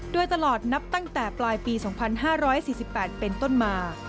โดยตลอดนับตั้งแต่ปลายปี๒๕๔๘เป็นต้นมา